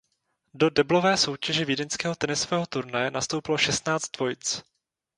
Do deblové soutěže vídeňského tenisového turnaje nastoupilo šestnáct dvojic.